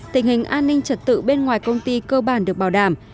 tình hình an ninh trật tự bên ngoài công ty cơ bản được bảo đảm